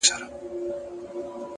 زحمت د هیلو کښت خړوبوي